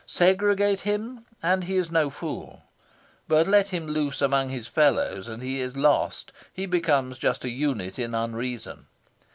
Segregate him, and he is no fool. But let him loose among his fellows, and he is lost he becomes just an unit in unreason.